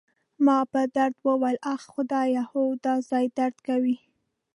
ما په درد وویل: اخ، خدایه، هو، دا ځای درد کوي.